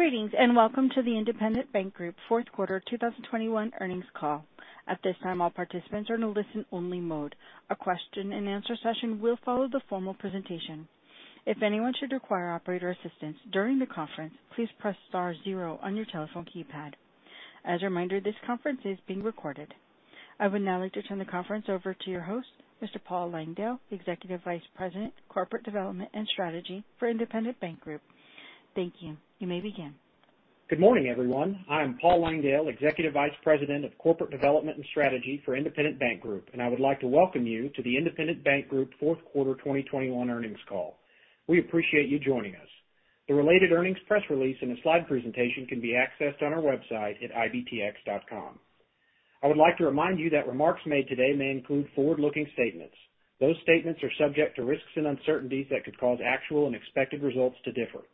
Greetings, and welcome to the Independent Bank Group fourth quarter 2021 earnings call. At this time, all participants are in a listen only mode. A question and answer session will follow the formal presentation. If anyone should require operator assistance during the conference, please press star zero on your telephone keypad. As a reminder, this conference is being recorded. I would now like to turn the conference over to your host, Mr. Paul Langdale, Executive Vice President, Corporate Development & Strategy for Independent Bank Group. Thank you. You may begin. Good morning, everyone. I am Paul Langdale, Executive Vice President of Corporate Development and Strategy for Independent Bank Group, and I would like to welcome you to the Independent Bank Group fourth quarter 2021 earnings call. We appreciate you joining us. The related earnings press release and a slide presentation can be accessed on our website at ibtx.com. I would like to remind you that remarks made today may include forward-looking statements. Those statements are subject to risks and uncertainties that could cause actual and expected results to differ.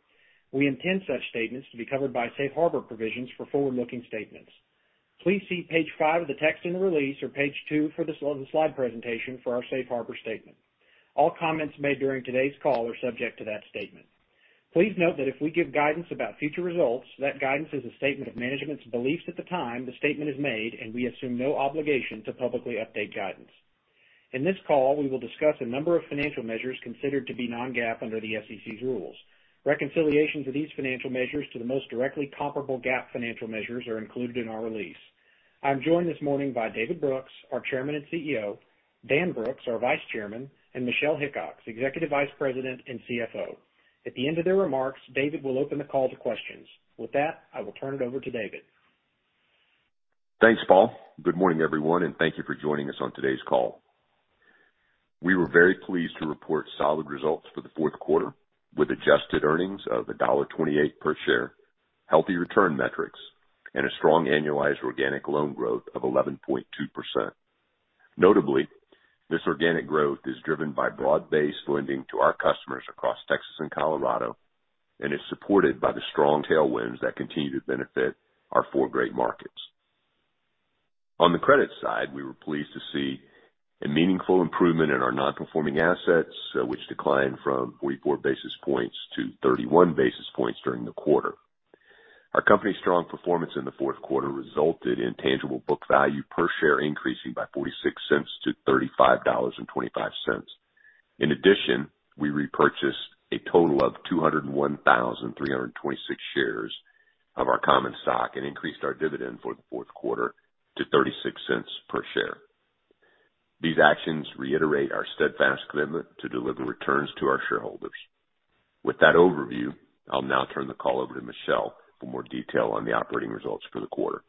We intend such statements to be covered by safe harbor provisions for forward-looking statements. Please see page five of the text in the release or page two for the slide presentation for our safe harbor statement. All comments made during today's call are subject to that statement. Please note that if we give guidance about future results, that guidance is a statement of management's beliefs at the time the statement is made, and we assume no obligation to publicly update guidance. In this call, we will discuss a number of financial measures considered to be non-GAAP under the SEC's rules. Reconciliation to these financial measures to the most directly comparable GAAP financial measures are included in our release. I'm joined this morning by David Brooks, our Chairman and CEO, Dan Brooks, our Vice Chairman, and Michelle Hickox, Executive Vice President and CFO. At the end of their remarks, David will open the call to questions. With that, I will turn it over to David. Thanks, Paul. Good morning, everyone, and thank you for joining us on today's call. We were very pleased to report solid results for the fourth quarter, with adjusted earnings of $1.28 per share, healthy return metrics, and a strong annualized organic loan growth of 11.2%. Notably, this organic growth is driven by broad-based lending to our customers across Texas and Colorado and is supported by the strong tailwinds that continue to benefit our four great markets. On the credit side, we were pleased to see a meaningful improvement in our non-performing assets, which declined from 44 basis points to 31 basis points during the quarter. Our company's strong performance in the fourth quarter resulted in tangible book value per share increasing by $0.46 to $35.25. In addition, we repurchased a total of 201,326 shares of our common stock and increased our dividend for the fourth quarter to $0.36 per share. These actions reiterate our steadfast commitment to deliver returns to our shareholders. With that overview, I'll now turn the call over to Michelle for more detail on the operating results for the quarter.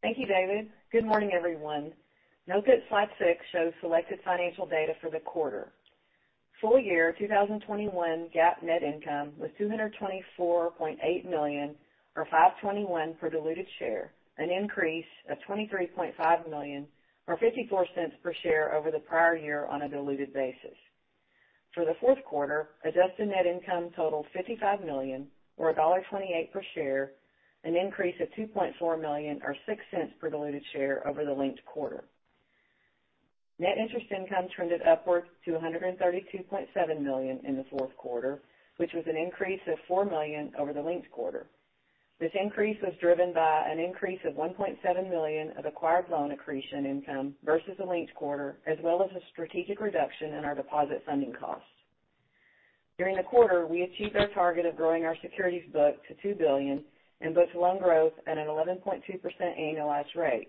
Thank you, David. Good morning, everyone. Note that slide six shows selected financial data for the quarter. Full year 2021 GAAP net income was $224.8 million, or $5.21 per diluted share, an increase of $23.5 million, or $0.54 per share over the prior year on a diluted basis. For the fourth quarter, adjusted net income totaled $55 million or $1.28 per share, an increase of $2.4 million or $0.06 per diluted share over the linked quarter. Net interest income trended upwards to $132.7 million in the fourth quarter, which was an increase of $4 million over the linked quarter. This increase was driven by an increase of $1.7 million of acquired loan accretion income versus the linked quarter, as well as a strategic reduction in our deposit funding costs. During the quarter, we achieved our target of growing our securities book to $2 billion and booked loan growth at an 11.2% annualized rate.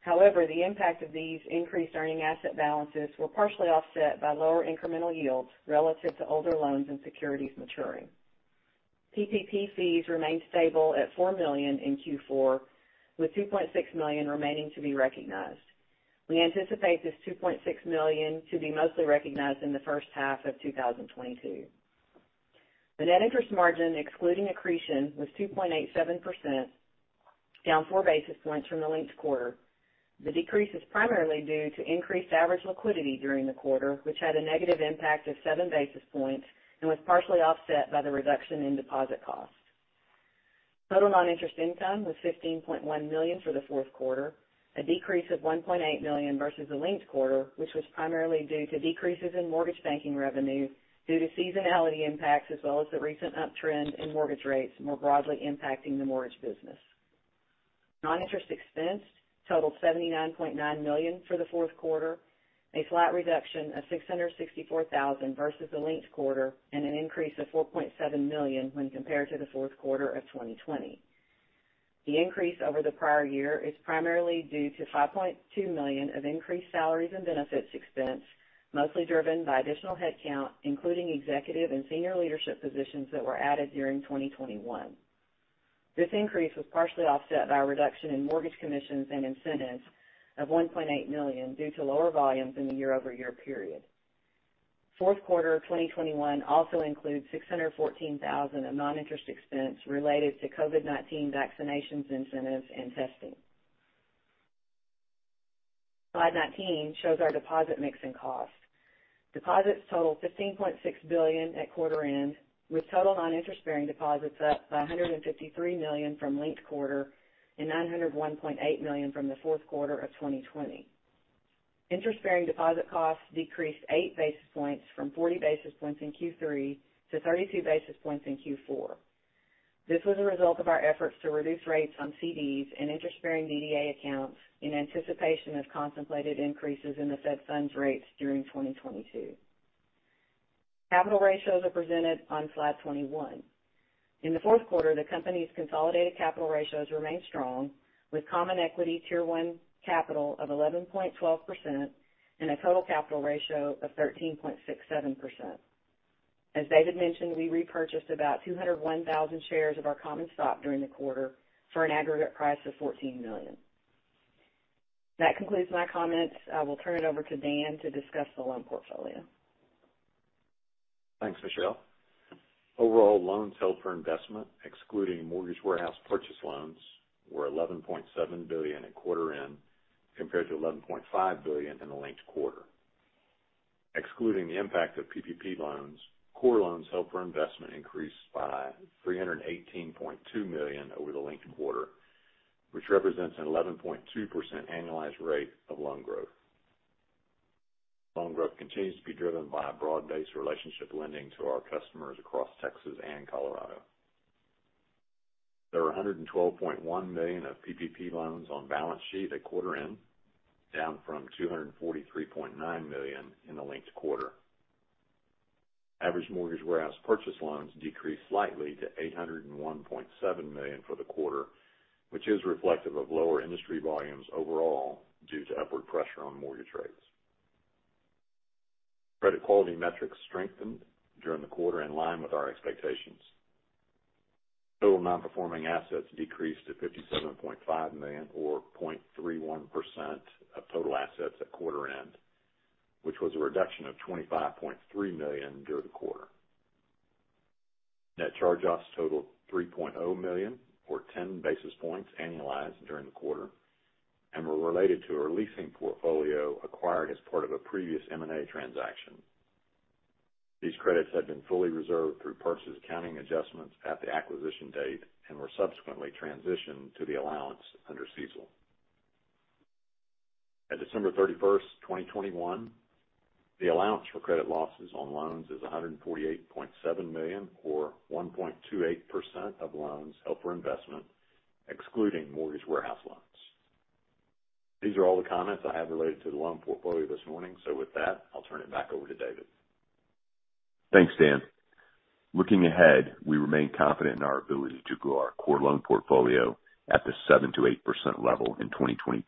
However, the impact of these increased earning asset balances were partially offset by lower incremental yields relative to older loans and securities maturing. PPP fees remained stable at $4 million in Q4, with $2.6 million remaining to be recognized. We anticipate this $2.6 million to be mostly recognized in the first half of 2022. The net interest margin, excluding accretion, was 2.87%, down 4 basis points from the linked quarter. The decrease is primarily due to increased average liquidity during the quarter, which had a negative impact of seven basis points and was partially offset by the reduction in deposit costs. Total non-interest income was $15.1 million for the fourth quarter, a decrease of $1.8 million versus the linked quarter, which was primarily due to decreases in mortgage banking revenue due to seasonality impacts as well as the recent uptrend in mortgage rates more broadly impacting the mortgage business. Non-interest expense totaled $79.9 million for the fourth quarter, a flat reduction of $664,000 versus the linked quarter and an increase of $4.7 million when compared to the fourth quarter of 2020. The increase over the prior year is primarily due to $5.2 million of increased salaries and benefits expense, mostly driven by additional headcount, including executive and senior leadership positions that were added during 2021. This increase was partially offset by a reduction in mortgage commissions and incentives of $1.8 million due to lower volumes in the year-over-year period. Fourth quarter 2021 also includes $614,000 of noninterest expense related to COVID-19 vaccinations incentives and testing. Slide 19 shows our deposit mix and costs. Deposits totaled $15.6 billion at quarter end, with total noninterest-bearing deposits up by $153 million from linked quarter and $901.8 million from the fourth quarter of 2020. Interest-bearing deposit costs decreased 8 basis points from 40 basis points in Q3 to 32 basis points in Q4. This was a result of our efforts to reduce rates on CDs and interest bearing DDA accounts in anticipation of contemplated increases in the Fed funds rates during 2022. Capital ratios are presented on slide 21. In the fourth quarter, the company's consolidated capital ratios remained strong, with Common Equity Tier 1 capital of 11.12% and a total capital ratio of 13.67%. As David mentioned, we repurchased about 201,000 shares of our common stock during the quarter for an aggregate price of $14 million. That concludes my comments. I will turn it over to Dan to discuss the loan portfolio. Thanks, Michelle. Overall loans held for investment, excluding mortgage warehouse purchase loans, were $11.7 billion at quarter end compared to $11.5 billion in the linked quarter. Excluding the impact of PPP loans, core loans held for investment increased by $318.2 million over the linked quarter, which represents an 11.2% annualized rate of loan growth. Loan growth continues to be driven by a broad-based relationship lending to our customers across Texas and Colorado. There are $112.1 million of PPP loans on balance sheet at quarter end, down from $243.9 million in the linked quarter. Average mortgage warehouse purchase loans decreased slightly to $801.7 million for the quarter, which is reflective of lower industry volumes overall due to upward pressure on mortgage rates. Credit quality metrics strengthened during the quarter in line with our expectations. Total non-performing assets decreased to $57.5 million or 0.31% of total assets at quarter end, which was a reduction of $25.3 million during the quarter. Net charge-offs totaled $3.0 million or 10 basis points annualized during the quarter, and were related to our leasing portfolio acquired as part of a previous M&A transaction. These credits had been fully reserved through purchase accounting adjustments at the acquisition date and were subsequently transitioned to the allowance under CECL. At December 31, 2021, the allowance for credit losses on loans is $148.7 million or 1.28% of loans held for investment, excluding mortgage warehouse loans. These are all the comments I have related to the loan portfolio this morning. With that, I'll turn it back over to David. Thanks, Dan. Looking ahead, we remain confident in our ability to grow our core loan portfolio at the 7%-8% level in 2022.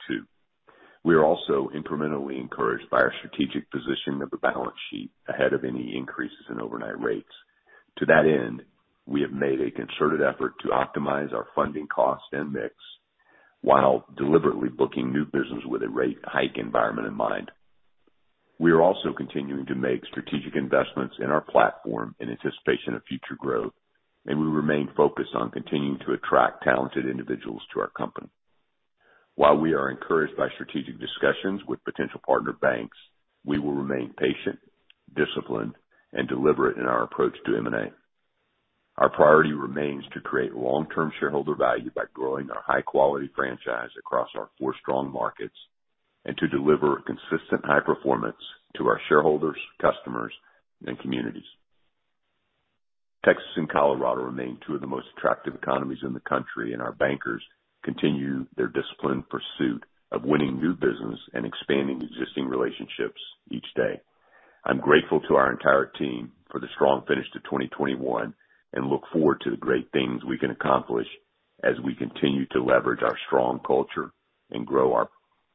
We are also incrementally encouraged by our strategic positioning of the balance sheet ahead of any increases in overnight rates. To that end, we have made a concerted effort to optimize our funding costs and mix while deliberately booking new business with a rate hike environment in mind. We are also continuing to make strategic investments in our platform in anticipation of future growth, and we remain focused on continuing to attract talented individuals to our company. While we are encouraged by strategic discussions with potential partner banks, we will remain patient, disciplined, and deliberate in our approach to M&A. Our priority remains to create long-term shareholder value by growing our high quality franchise across our four strong markets and to deliver consistent high performance to our shareholders, customers, and communities. Texas and Colorado remain two of the most attractive economies in the country, and our bankers continue their disciplined pursuit of winning new business and expanding existing relationships each day. I'm grateful to our entire team for the strong finish to 2021 and look forward to the great things we can accomplish as we continue to leverage our strong culture and grow our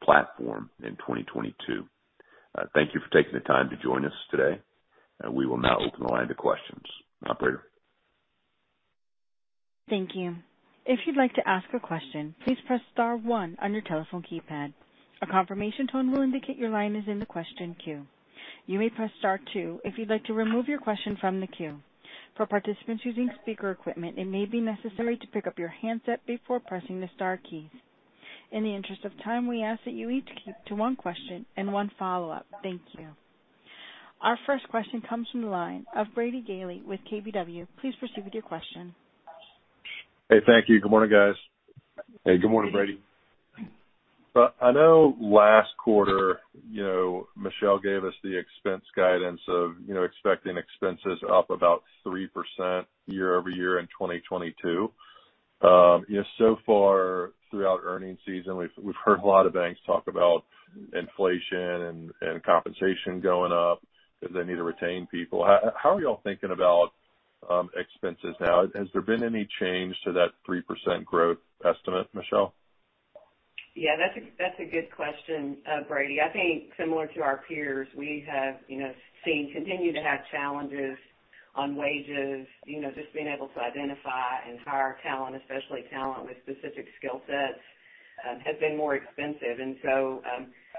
platform in 2022. Thank you for taking the time to join us today, and we will now open the line to questions. Operator? Thank you. If you'd like to ask a question, please press start one on your telephone keypad, a confirmation tone will indicate your line is in the question queue. You may press star two if you'd like to remove your question from the queue For participants using speaker equipment, it may be necessary to pick up your handset before pressing the star key. In the interest of time, we ask that you limit to one question and one follow-up. Thank you. Our first question comes from the line of Brady Gailey with KBW. Please proceed with your question. Hey, thank you. Good morning, guys. Hey, good morning, Brady. I know last quarter, you know, Michelle gave us the expense guidance of, you know, expecting expenses up about 3% year-over-year in 2022. You know, so far throughout earnings season, we've heard a lot of banks talk about inflation and compensation going up because they need to retain people. How are y'all thinking about expenses now? Has there been any change to that 3% growth estimate, Michelle? Yeah, that's a good question, Brady. I think similar to our peers, we have, you know, seen continue to have challenges on wages. You know, just being able to identify and hire talent, especially talent with specific skill sets, has been more expensive.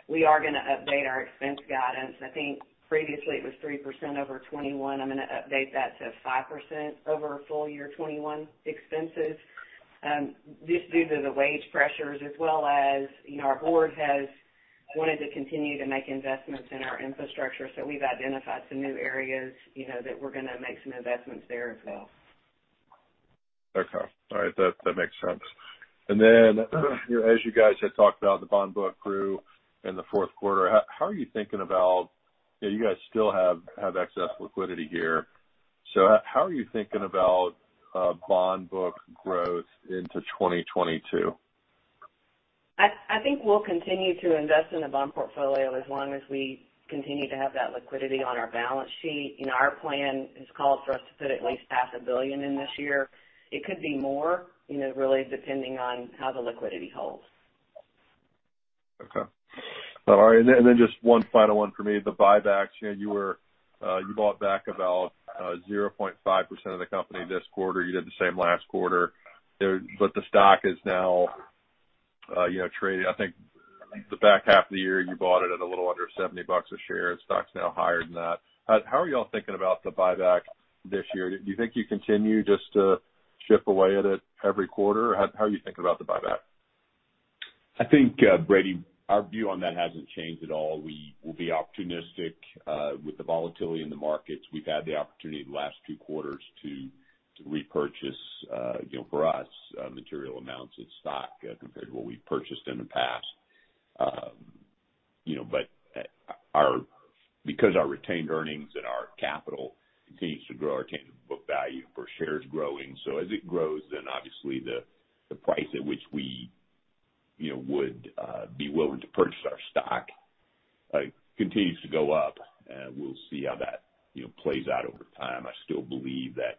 We are gonna update our expense guidance. I think previously it was 3% over 2021. I'm gonna update that to 5% over full year 2021 expenses, just due to the wage pressures as well as, you know, our board has wanted to continue to make investments in our infrastructure. We've identified some new areas, you know, that we're gonna make some investments there as well. Okay. All right, that makes sense. You know, as you guys had talked about, the bond book grew in the fourth quarter. How are you thinking about, you know, you guys still have excess liquidity here. How are you thinking about bond book growth into 2022? I think we'll continue to invest in the bond portfolio as long as we continue to have that liquidity on our balance sheet. You know, our plan is called for us to put at least $500 million in this year. It could be more, you know, really depending on how the liquidity holds. Okay. All right, and then just one final one for me, the buybacks. You know, you bought back about 0.5% of the company this quarter. You did the same last quarter. But the stock is now, you know, trading. I think in the back half of the year, you bought it at a little under $70 a share. Stock's now higher than that. How are y'all thinking about the buyback this year? Do you think you continue just to chip away at it every quarter? How are you thinking about the buyback? I think, Brady, our view on that hasn't changed at all. We will be opportunistic with the volatility in the markets. We've had the opportunity the last two quarters to repurchase, you know, for us, material amounts of stock compared to what we've purchased in the past. You know, but because our retained earnings and our capital continues to grow, our tangible book value per share is growing. As it grows, then obviously the price at which we, you know, would be willing to purchase our stock continues to go up. We'll see how that, you know, plays out over time. I still believe that,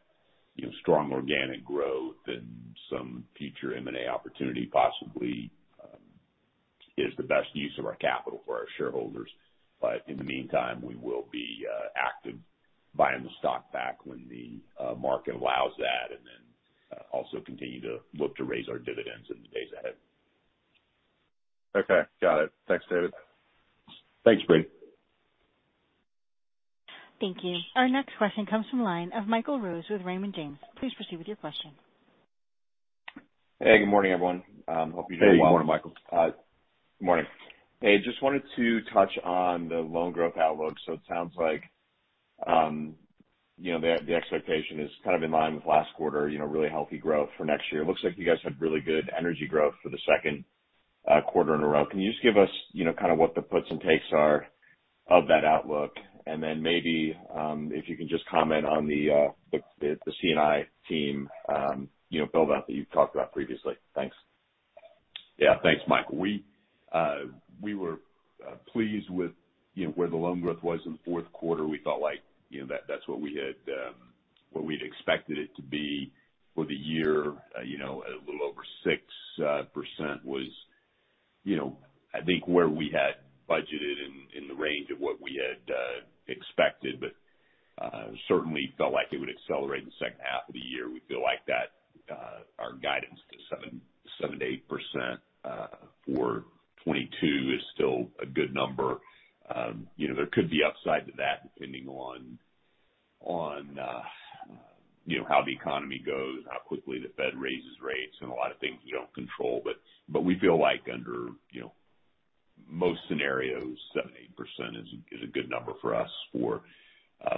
you know, strong organic growth and some future M&A opportunity possibly is the best use of our capital for our shareholders. In the meantime, we will be active buying the stock back when the market allows that, and then also continue to look to raise our dividends in the days ahead. Okay. Got it. Thanks, David. Thanks, Brady. Thank you. Our next question comes from the line of Michael Rose with Raymond James. Please proceed with your question. Hey, good morning, everyone. Hope you're doing well. Hey. Good morning, Michael. Good morning. Hey, just wanted to touch on the loan growth outlook. It sounds like, you know, the expectation is kind of in line with last quarter, you know, really healthy growth for next year. It looks like you guys had really good energy growth for the second quarter in a row. Can you just give us, you know, kind of what the puts and takes are of that outlook? Then maybe, if you can just comment on the C&I team, you know, build out that you've talked about previously. Thanks. Yeah. Thanks, Michael. We were pleased with, you know, where the loan growth was in the fourth quarter. We felt like, you know, that's what we had, what we'd expected it to be for the year. You know, a little over 6% was, you know, I think where we had budgeted in the range of what we had expected. Certainly felt like it would accelerate in the second half of the year. We feel like that, our guidance to 7%-8% for 2022 is still a good number. You know, there could be upside to that depending on, you know, how the economy goes, how quickly the Fed raises rates, and a lot of things we don't control. We feel like under, you know, most scenarios, 7%-8% is a good number for us for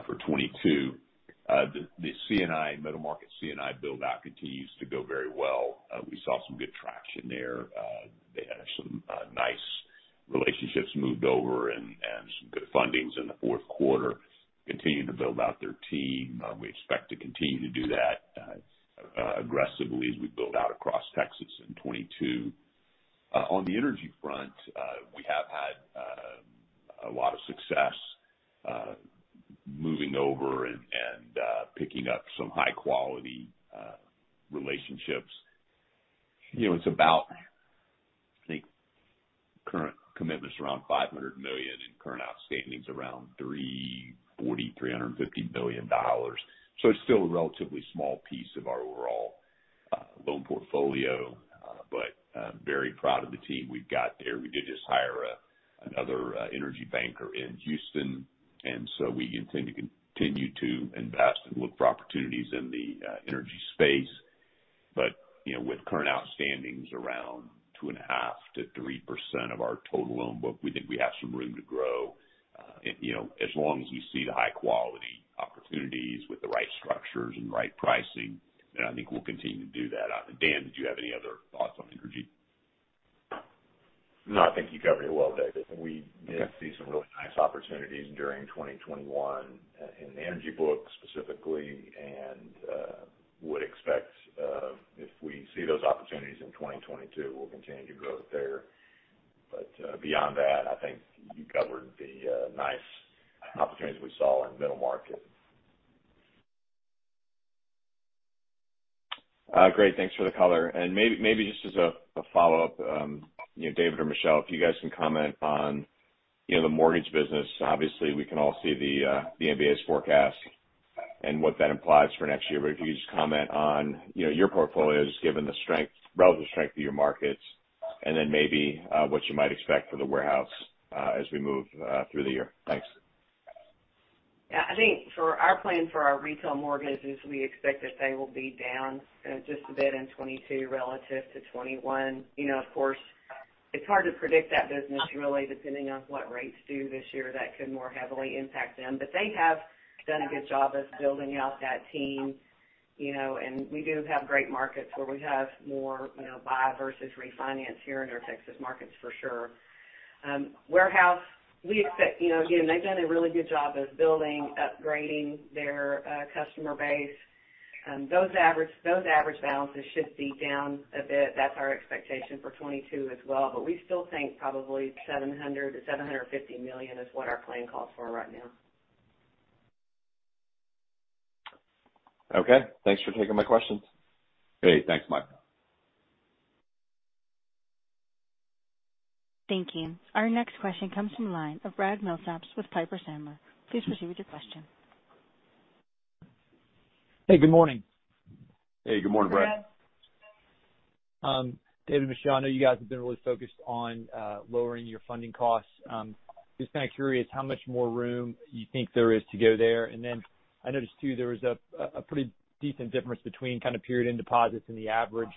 2022. The C&I, middle market C&I build-out continues to go very well. We saw some good traction there. They had some nice relationships moved over and some good fundings in the fourth quarter, continuing to build out their team. We expect to continue to do that aggressively as we build out across Texas in 2022. On the energy front, we have had a lot of success moving over and picking up some high quality relationships. You know, it's about, I think, current commitments around $500 million and current outstandings around $340 million-$350 million. It's still a relatively small piece of our overall loan portfolio. I'm very proud of the team we've got there. We did just hire another energy banker in Houston, and we intend to continue to invest and look for opportunities in the energy space. You know, with current outstandings around 2.5%-3% of our total loan book, we think we have some room to grow. You know, as long as we see the high quality opportunities with the right structures and the right pricing, then I think we'll continue to do that. Dan, did you have any other thoughts on energy? No, I think you covered it well, David. We did see some really nice opportunities during 2021 in the energy book specifically, and would expect if we see those opportunities in 2022, we'll continue to grow there. Beyond that, I think you covered the nice opportunities we saw in middle market. Great. Thanks for the color. Maybe just as a follow-up, you know, David or Michelle, if you guys can comment on, you know, the mortgage business. Obviously, we can all see the MBA's forecast and what that implies for next year. If you could just comment on, you know, your portfolios given the strength, relative strength of your markets, and then maybe what you might expect for the warehouse as we move through the year. Thanks. Yeah. I think for our plan for our retail mortgages, we expect that they will be down just a bit in 2022 relative to 2021. You know, of course, it's hard to predict that business really depending on what rates do this year that could more heavily impact them. They have done a good job of building out that team, you know, and we do have great markets where we have more, you know, buy versus refinance here in our Texas markets for sure. Warehouse, we expect, you know, again, they've done a really good job of building, upgrading their customer base. Those average balances should be down a bit. That's our expectation for 2022 as well. We still think probably $700 million-$750 million is what our plan calls for right now. Okay. Thanks for taking my questions. Great. Thanks, Mike. Thank you. Our next question comes from line of Brad Milsaps with Piper Sandler. Please proceed with your question. Hey, good morning. Hey, good morning, Brad. Brad. David, Michelle, I know you guys have been really focused on lowering your funding costs. Just kind of curious how much more room you think there is to go there. I noticed too there was a pretty decent difference between kind of period end deposits and the average.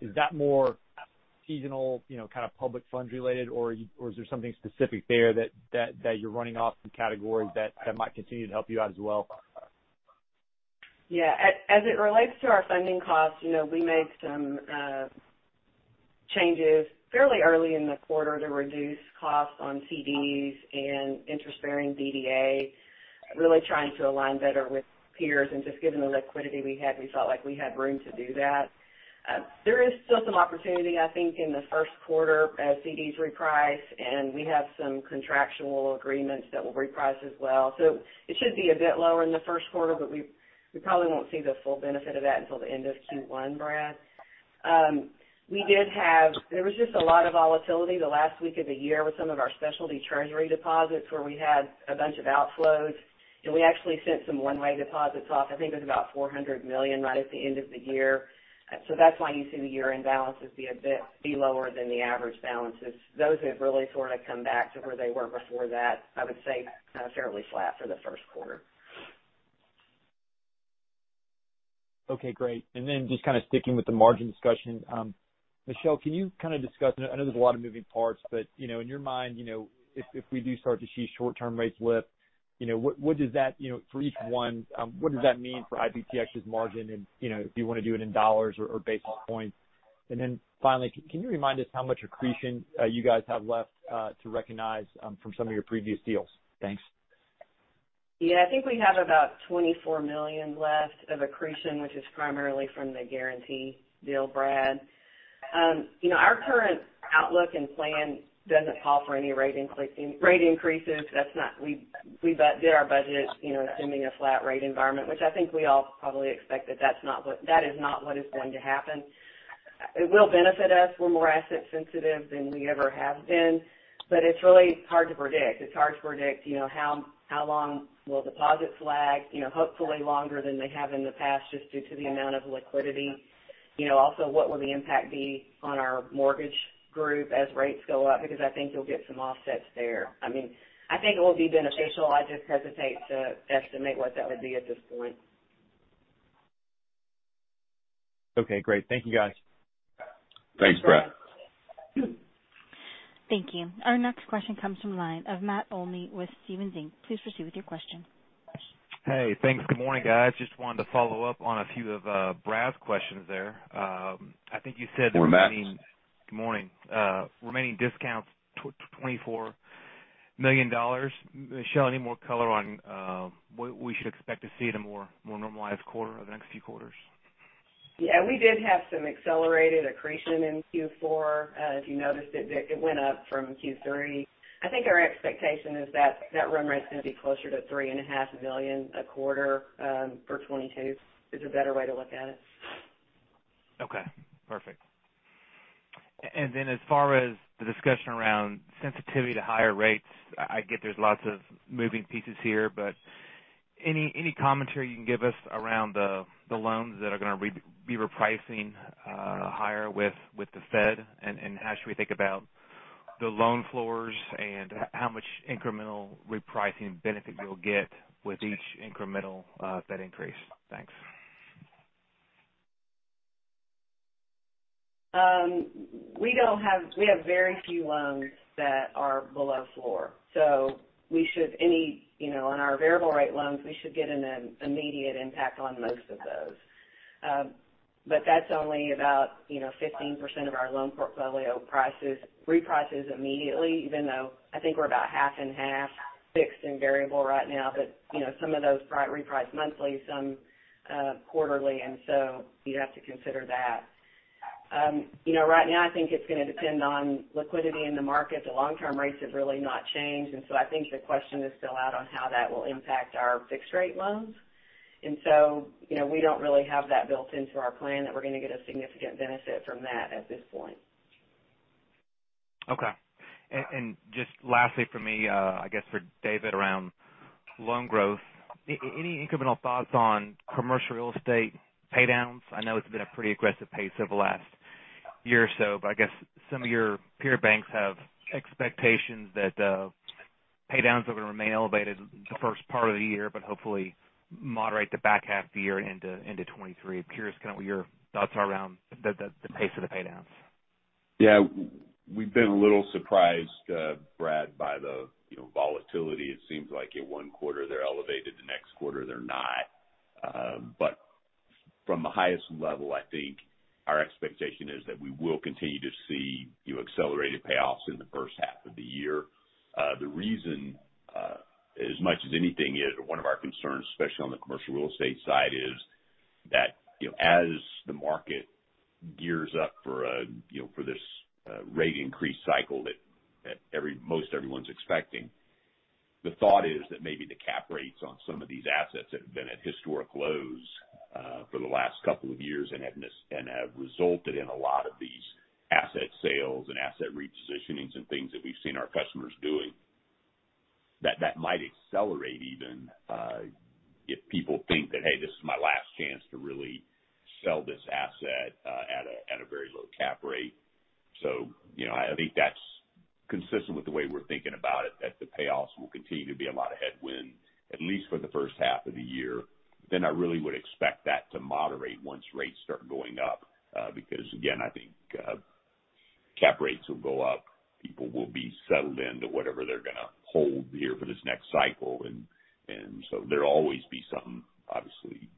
Is that more seasonal, you know, kind of public funds related, or is there something specific there that you're running off in categories that might continue to help you out as well? As it relates to our funding costs, you know, we made some changes fairly early in the quarter to reduce costs on CDs and interest-bearing DDA, really trying to align better with peers. Just given the liquidity we had, we felt like we had room to do that. There is still some opportunity, I think, in the first quarter as CDs reprice, and we have some contractual agreements that will reprice as well. It should be a bit lower in the first quarter, but we probably won't see the full benefit of that until the end of Q1, Brad. There was just a lot of volatility the last week of the year with some of our specialty treasury deposits where we had a bunch of outflows, and we actually sent some one-way deposits off. I think it was about $400 million right at the end of the year. That's why you see the year-end balances be lower than the average balances. Those have really sort of come back to where they were before that, I would say kind of fairly flat for the first quarter. Okay, great. Then just kind of sticking with the margin discussion, Michelle, can you kind of discuss, and I know there's a lot of moving parts, but, you know, in your mind, you know, if we do start to see short-term rates lift, you know, what does that for each one what does that mean for IBTX's margin? You know, if you wanna do it in dollars or basis points. Finally, can you remind us how much accretion you guys have left to recognize from some of your previous deals? Thanks. Yeah. I think we have about $24 million left of accretion, which is primarily from the Guaranty deal, Brad. You know, our current outlook and plan doesn't call for any rate increases. That's not. We did our budget, you know, assuming a flat rate environment, which I think we all probably expect that that is not what is going to happen. It will benefit us. We're more asset sensitive than we ever have been, but it's really hard to predict. It's hard to predict, you know, how long will deposits lag, you know, hopefully longer than they have in the past just due to the amount of liquidity. You know, also, what will the impact be on our mortgage group as rates go up? Because I think you'll get some offsets there. I mean, I think it will be beneficial. I just hesitate to estimate what that would be at this point. Okay, great. Thank you, guys. Thanks, Brad. Great. Thank you. Our next question comes from the line of Matt Olney with Stephens Inc. Please proceed with your question. Hey. Thanks. Good morning, guys. Just wanted to follow up on a few of Brad's questions there. I think you said- Morning, Matt. Good morning. Remaining discounts $24 million. Michelle, any more color on what we should expect to see in a more normalized quarter over the next few quarters? Yeah, we did have some accelerated accretion in Q4. If you noticed it went up from Q3. I think our expectation is that that run rate is gonna be closer to $3.5 million a quarter for 2022 is a better way to look at it. Okay. Perfect. As far as the discussion around sensitivity to higher rates, I get there's lots of moving parts here, but any commentary you can give us around the loans that are gonna be repricing higher with the Fed? How should we think about the loan floors and how much incremental repricing benefit you'll get with each incremental Fed increase? Thanks. We have very few loans that are below floor. You know, on our variable rate loans, we should get an immediate impact on most of those. But that's only about, you know, 15% of our loan portfolio that reprices immediately, even though I think we're about half-and-half fixed and variable right now. You know, some of those reprice monthly, some quarterly, and so you'd have to consider that. You know, right now I think it's gonna depend on liquidity in the market. The long-term rates have really not changed, and so I think the question is still out on how that will impact our fixed rate loans. You know, we don't really have that built into our plan that we're gonna get a significant benefit from that at this point. Okay. Just lastly for me, I guess for David around loan growth, any incremental thoughts on commercial real estate pay downs? I know it's been a pretty aggressive pace over the last year or so, but I guess some of your peer banks have expectations that pay downs are going to remain elevated the first part of the year, but hopefully moderate the back half of the year into 2023. Curious kind of what your thoughts are around the pace of the pay downs. Yeah. We've been a little surprised, Brad, by the you know volatility. It seems like in one quarter they're elevated, the next quarter they're not. From the highest level, I think our expectation is that we will continue to see you know accelerated payoffs in the first half of the year. The reason, as much as anything, is one of our concerns, especially on the commercial real estate side, is that you know as the market gears up for a you know for this rate increase cycle that most everyone's expecting, the thought is that maybe the cap rates on some of these assets have been at historic lows for the last couple of years and have resulted in a lot of these asset sales and asset repositionings and things that we've seen our customers doing. That might accelerate even if people think that, "Hey, this is my last chance to really sell this asset at a very low cap rate." You know, I think that's consistent with the way we're thinking about it, that the payoffs will continue to be a lot of headwind, at least for the first half of the year. I really would expect that to moderate once rates start going up because again, I think cap rates will go up, people will be settled into whatever they're gonna hold here for this next cycle. There'll always be some, obviously,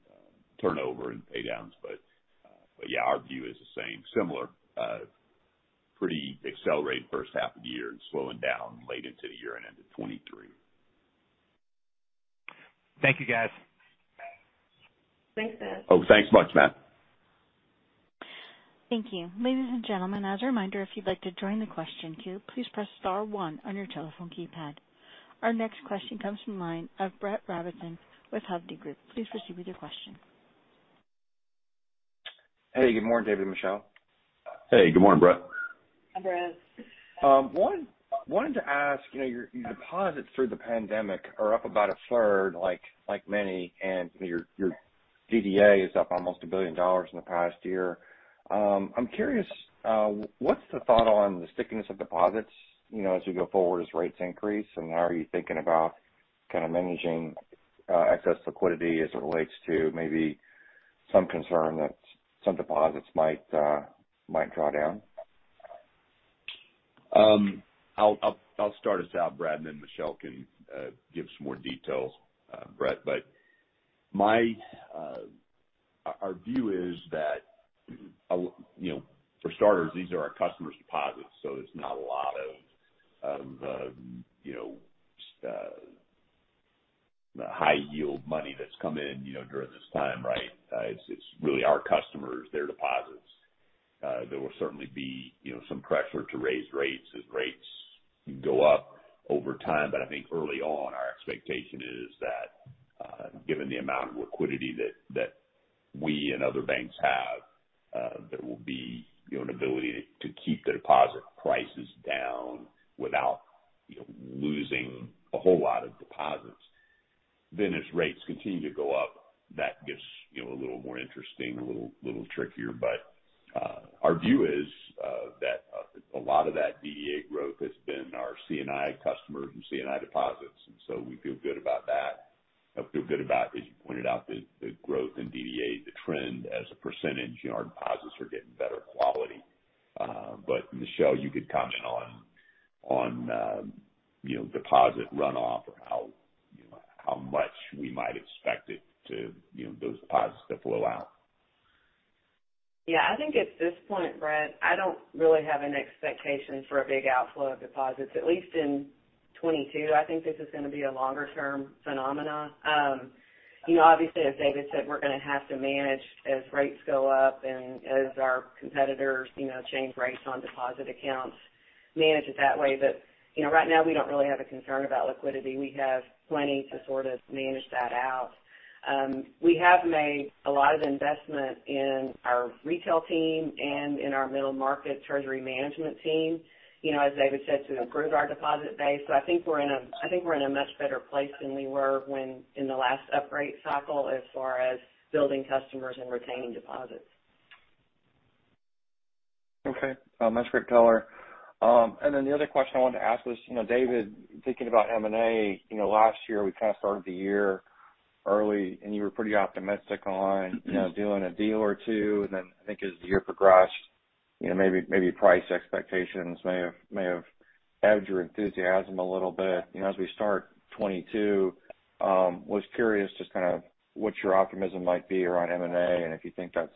turnover and pay downs. Yeah, our view is the same. Similar, pretty accelerated first half of the year and slowing down late into the year and end of 2023. Thank you, guys. Thanks, Matt. Oh, thanks much, Matt. Thank you. Ladies and gentlemen, as a reminder, if you'd like to join the question queue, please press star one on your telephone keypad. Our next question comes from the line of Brett Rabatin with Hovde Group. Please proceed with your question. Hey, good morning, David and Michelle. Hey, good morning, Brett. Hi, Brett. Wanted to ask, you know, your deposits through the pandemic are up about 1/3, like many, and your DDA is up almost $1 billion in the past year. I'm curious, what's the thought on the stickiness of deposits, you know, as we go forward as rates increase? How are you thinking about kind of managing excess liquidity as it relates to maybe some concern that some deposits might draw down? I'll start us out, Brett, and then Michelle can give some more detail, Brett. Our view is that, you know, for starters, these are our customers' deposits, so there's not a lot of, you know, high yield money that's come in, you know, during this time, right? It's really our customers' deposits. There will certainly be, you know, some pressure to raise rates as rates go up over time. I think early on, our expectation is that, given the amount of liquidity that we and other banks have, there will be, you know, an ability to keep the deposit prices down without, you know, losing a whole lot of deposits. As rates continue to go up, that gets, you know, a little more interesting, a little trickier. Our view is that a lot of that DDA growth has been our C&I customers and C&I deposits. We feel good about that. I feel good about, as you pointed out, the growth in DDA, the trend as a percentage. You know, our deposits are getting better quality. Michelle, you could comment on, you know, deposit runoff or how, you know, how much we might expect it to, you know, those deposits to flow out. Yeah. I think at this point, Brett, I don't really have an expectation for a big outflow of deposits, at least in 2022. I think this is gonna be a longer term phenomenon. You know, obviously as David said, we're gonna have to manage as rates go up and as our competitors, you know, change rates on deposit accounts, manage it that way. You know, right now we don't really have a concern about liquidity. We have plenty to sort of manage that out. We have made a lot of investment in our retail team and in our middle market treasury management team, you know, as David said, to improve our deposit base. I think we're in a much better place than we were when in the last upgrade cycle as far as building customers and retaining deposits. Okay. That's great color. The other question I wanted to ask was, you know, David, thinking about M&A, you know, last year we kind of started the year early and you were pretty optimistic on, you know, doing a deal or two. I think as the year progressed, you know, maybe price expectations may have ebbed your enthusiasm a little bit. You know, as we start 2022, was curious just kind of what your optimism might be around M&A and if you think that's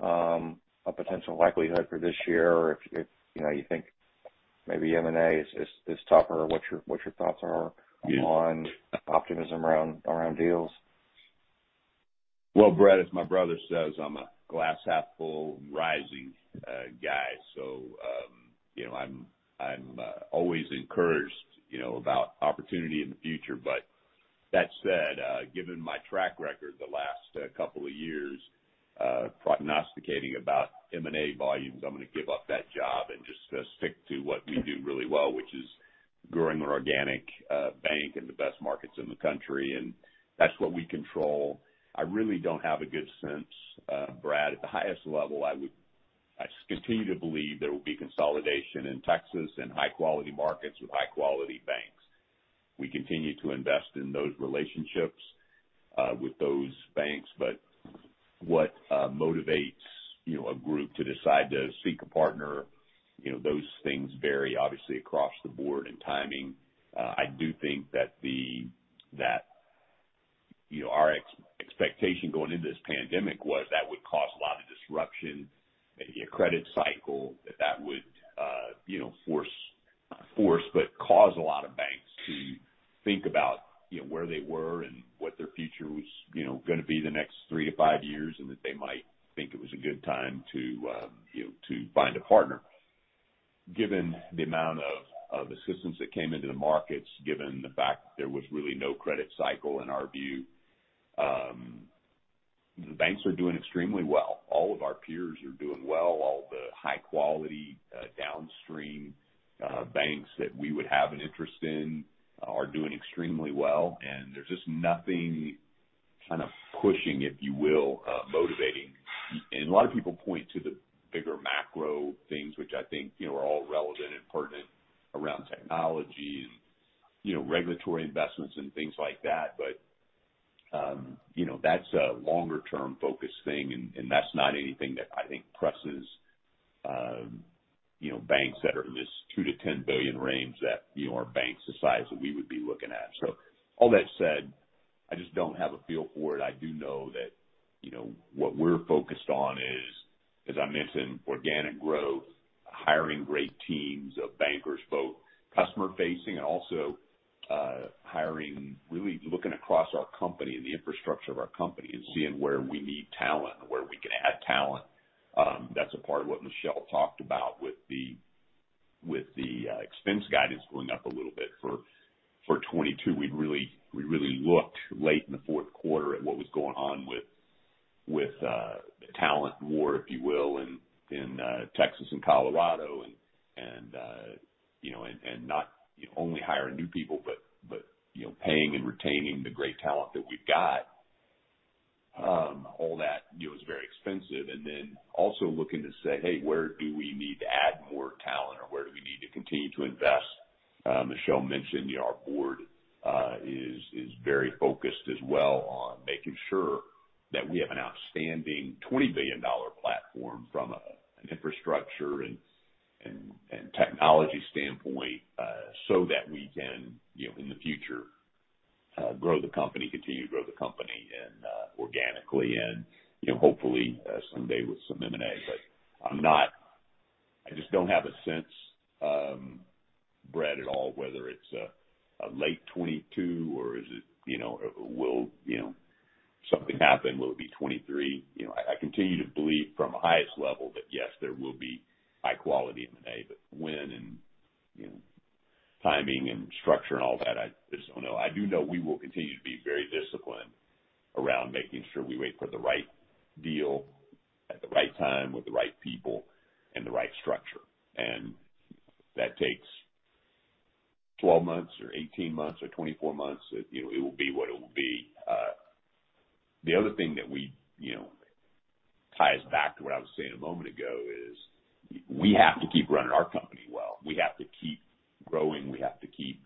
a potential likelihood for this year or if you know, you think maybe M&A is tougher, what your thoughts are on optimism around deals. Well, Brett, as my brother says, I'm a glass half full rising guy. You know, I'm always encouraged, you know, about opportunity in the future. But that said, given my track record the last couple of years, prognosticating about M&A volumes, I'm gonna give up that job and just stick to what we do really well, which is growing our organic bank in the best markets in the country. That's what we control. I really don't have a good sense, Brad. At the highest level, I just continue to believe there will be consolidation in Texas and high-quality markets with high-quality banks. We continue to invest in those relationships with those banks. What motivates, you know, a group to decide to seek a partner, you know, those things vary obviously across the board in timing. I do think that, you know, our expectation going into this pandemic was that would cause a lot of disruption in the credit cycle, that would, you know, force, not force, but cause a lot of banks to think about, you know, where they were and what their future was, you know, gonna be the next three to five years, and that they might think it was a good time to, you know, to find a partner. Given the amount of assistance that came into the markets, given the fact that there was really no credit cycle in our view, the banks are doing extremely well. All of our peers are doing well. All the high quality, downstream, banks that we would have an interest in are doing extremely well. There's just nothing kind of pushing, if you will, motivating. A lot of people point to the bigger macro things which I think, you know, are all relevant and pertinent around technology and, you know, regulatory investments and things like that. That's a longer term focus thing, and that's not anything that I think presses, you know, banks that are in this $2 billion-$10 billion range that, you know, are bank size that we would be looking at. All that said, I just don't have a feel for it. I do know that, you know, what we're focused on is, as I mentioned, organic growth, hiring great teams of bankers, both customer facing and also hiring, really looking across our company and the infrastructure of our company and seeing where we need talent and where we can add talent. That's a part of what Michelle talked about with the expense guidance going up a little bit for 2022. We really looked late in the fourth quarter at what was going on with the talent war, if you will, in Texas and Colorado, and you know, not only hiring new people, but you know, paying and retaining the great talent that we've got. All that, you know, is very expensive. Then also looking to say, "Hey, where do we need to add more talent or where do we need to continue to invest?" Michelle mentioned, you know, our board is very focused as well on making sure that we have an outstanding $20 billion platform from an infrastructure and technology standpoint, so that we can, you know, in the future, grow the company, continue to grow the company and organically and, you know, hopefully, someday with some M&A. I just don't have a sense, Brad, at all, whether it's a late 2022 or is it, you know, will, you know, something happen, will it be 2023? You know, I continue to believe from the highest level that yes, there will be high quality M&A, but when and, you know, timing and structure and all that, I just don't know. I do know we will continue to be very disciplined around making sure we wait for the right deal at the right time with the right people and the right structure. If that takes 12 months or 18 months or 24 months, you know, it will be what it will be. The other thing that we, you know, ties back to what I was saying a moment ago is, we have to keep running our company well. We have to keep growing. We have to keep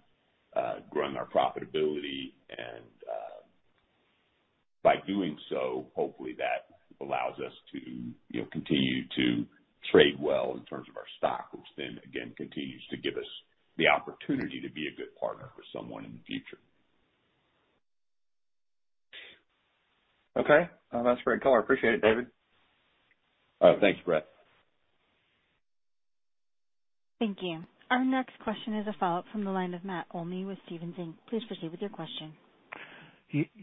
growing our profitability. By doing so, hopefully that allows us to, you know, continue to trade well in terms of our stock, which then again continues to give us the opportunity to be a good partner for someone in the future. Okay. Well, that's very color. Appreciate it, David. All right. Thank you, Brad. Thank you. Our next question is a follow-up from the line of Matt Olney with Stephens Inc. Please proceed with your question.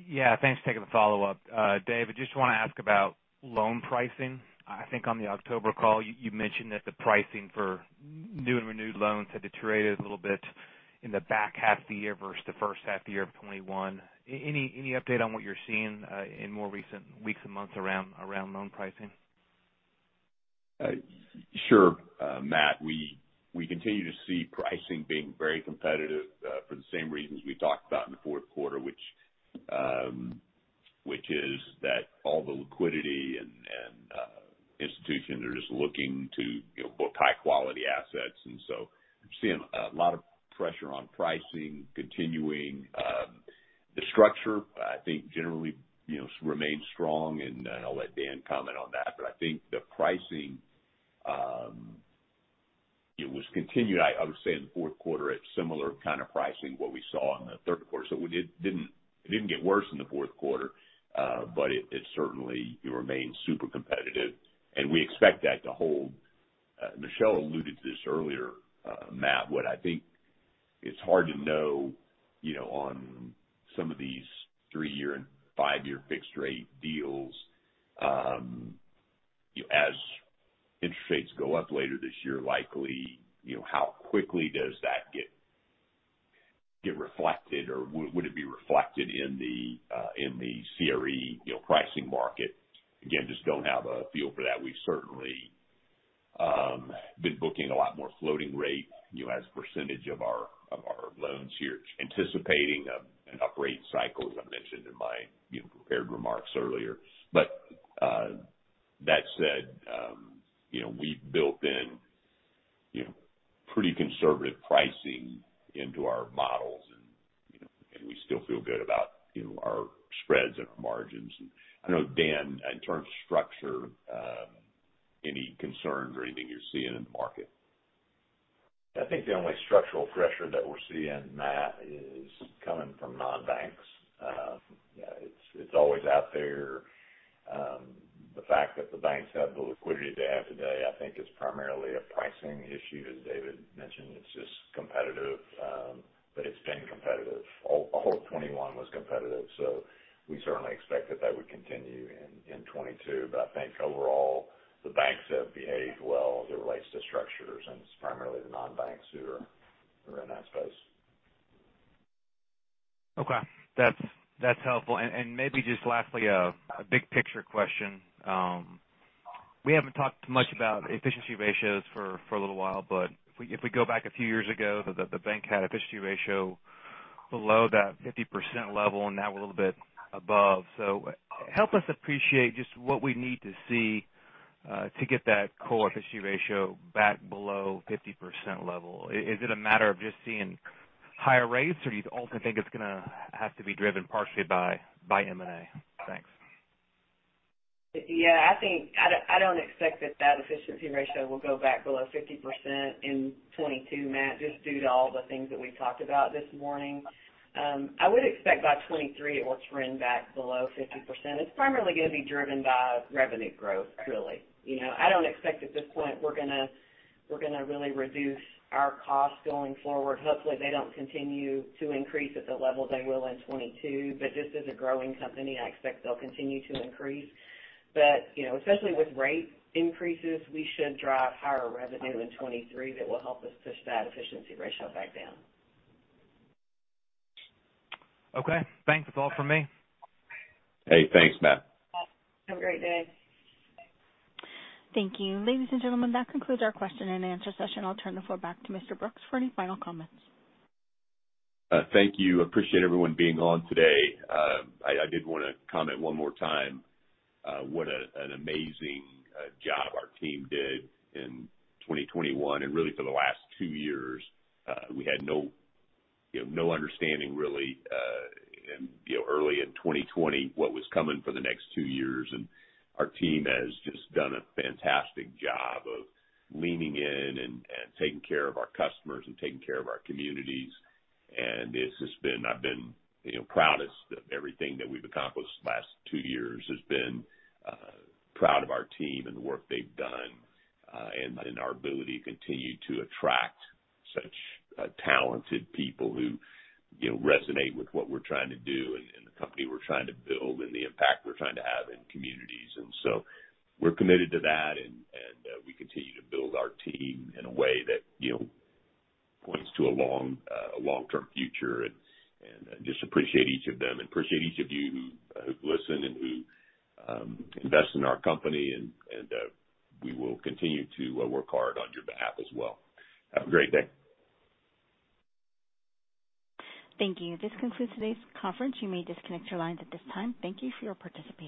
Yeah, thanks for taking the follow-up. David, I just want to ask about loan pricing. I think on the October call, you mentioned that the pricing for new and renewed loans had deteriorated a little bit in the back half of the year versus the first half of 2021. Any update on what you're seeing in more recent weeks and months around loan pricing? Sure, Matt. We continue to see pricing being very competitive for the same reasons we talked about in the fourth quarter, which is that all the liquidity and institutions are just looking to, you know, book high-quality assets. We're seeing a lot of pressure on pricing continuing. The structure, I think generally, you know, remains strong and I'll let Dan comment on that. But I think the pricing, it continued, I would say in the fourth quarter at similar kind of pricing what we saw in the third quarter. It didn't get worse in the fourth quarter, but it certainly remains super competitive and we expect that to hold. Michelle alluded to this earlier, Matt. What I think it's hard to know, you know, on some of these three-year and five-year fixed rate deals, you know, as interest rates go up later this year, likely, you know, how quickly does that get reflected or would it be reflected in the, in the CRE, you know, pricing market? Again, just don't have a feel for that. We've certainly been booking a lot more floating rate, you know, as a percentage of our loans here, anticipating an uprate cycle, as I mentioned in my, you know, prepared remarks earlier. But that said, you know, we've built in, you know, pretty conservative pricing into our models and, you know, and we still feel good about, you know, our spreads and our margins. I know, Dan, in terms of structure, any concerns or anything you're seeing in the market? I think the only structural pressure that we're seeing, Matt, is coming from non-banks. It's always out there. The fact that the banks have the liquidity they have today, I think is primarily a pricing issue, as David mentioned. It's just competitive, but it's been competitive. All of 2021 was competitive, so we certainly expect that would continue in 2022. I think overall, the banks have behaved well as it relates to structures, and it's primarily the non-banks who are in that space. Okay. That's helpful. Maybe just lastly, a big picture question. We haven't talked much about efficiency ratios for a little while, but if we go back a few years ago, the bank had efficiency ratio below that 50% level and now a little bit above. Help us appreciate just what we need to see to get that core efficiency ratio back below 50% level. Is it a matter of just seeing higher rates, or do you also think it's gonna have to be driven partially by M&A? Thanks. Yeah, I think I don't expect that efficiency ratio will go back below 50% in 2022, Matt, just due to all the things that we talked about this morning. I would expect by 2023 it will trend back below 50%. It's primarily gonna be driven by revenue growth, really. You know, I don't expect at this point we're gonna really reduce our costs going forward. Hopefully, they don't continue to increase at the level they will in 2022, but just as a growing company, I expect they'll continue to increase. You know, especially with rate increases, we should drive higher revenue in 2023 that will help us push that efficiency ratio back down. Okay. Thanks. That's all from me. Hey, thanks, Matt. Have a great day. Thank you. Ladies and gentlemen, that concludes our question and answer session. I'll turn the floor back to Mr. Brooks for any final comments. Thank you. Appreciate everyone being on today. I did wanna comment one more time what an amazing job our team did in 2021, and really for the last two years. We had no, you know, understanding really, you know, early in 2020, what was coming for the next two years. Our team has just done a fantastic job of leaning in and taking care of our customers and taking care of our communities. I've been, you know, proudest of everything that we've accomplished the last two years, has been proud of our team and the work they've done, and in our ability to continue to attract such talented people who, you know, resonate with what we're trying to do and the company we're trying to build and the impact we're trying to have in communities. We're committed to that and we continue to build our team in a way that, you know, points to a long-term future and just appreciate each of them. Appreciate each of you who've listened and who invest in our company and we will continue to work hard on your behalf as well. Have a great day. Thank you. This concludes today's conference. You may disconnect your lines at this time. Thank you for your participation.